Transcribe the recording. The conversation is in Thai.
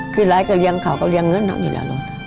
คือหลายก็เลี้ยงเข่าก็เลี้ยงเงินเหรอเนี่ยละรวด